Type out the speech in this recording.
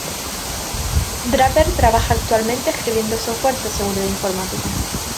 Draper trabaja actualmente escribiendo software de seguridad informática.